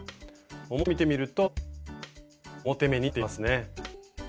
表を見てみると表目になっていますね。